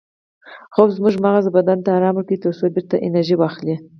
خوب زموږ مغز او بدن ته ارام ورکوي ترڅو بیرته انرژي واخلي